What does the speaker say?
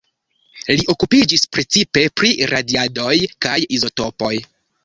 Li okupiĝis precipe pri radiadoj kaj izotopoj.